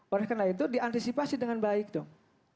oleh karena itu diantisipasi dengan baik dong